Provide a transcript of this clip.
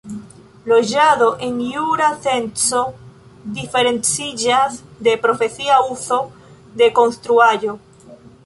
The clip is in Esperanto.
Loĝado en jura senco diferenciĝas de profesia uzo de konstruaĵo.